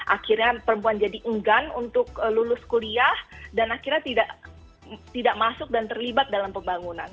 akhirnya perempuan jadi enggan untuk lulus kuliah dan akhirnya tidak masuk dan terlibat dalam pembangunan